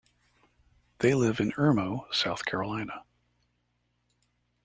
They live in Irmo, South Carolina.